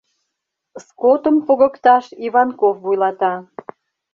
Скотым погыкташ Иванков вуйлата.